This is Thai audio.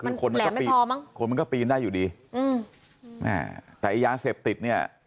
มันแหลมไม่พอมั้งคนมันก็ปีนได้อยู่ดีอืมแต่ไอ้ยาเสพติดเนี้ย